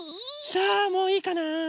さあもういいかな。